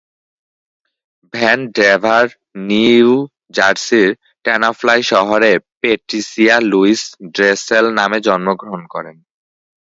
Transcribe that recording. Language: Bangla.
ভ্যান ডেভার নিউ জার্সির টেনাফ্লাই শহরে প্যাট্রিসিয়া লুইস ড্রেসেল নামে জন্মগ্রহণ করেন।